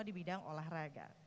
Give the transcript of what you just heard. di bidang olahraga